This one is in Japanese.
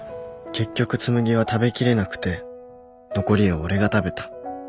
結局紬は食べきれなくて残りを俺が食べた